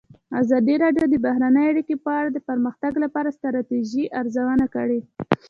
ازادي راډیو د بهرنۍ اړیکې په اړه د پرمختګ لپاره د ستراتیژۍ ارزونه کړې.